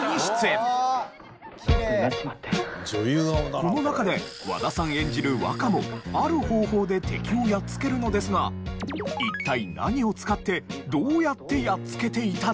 この中で和田さん演じる若もある方法で敵をやっつけるのですが一体何を使ってどうやってやっつけていたでしょう？